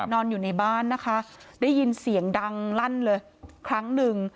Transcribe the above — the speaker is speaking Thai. นอนอยู่ในบ้านนะคะได้ยินเสียงดังลั่นเลยครั้งหนึ่ง